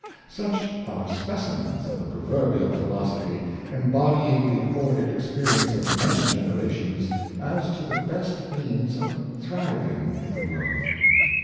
Such are specimens of the proverbial philosophy, embodying the hoarded experience of many generations, as to the best means of thriving in the world.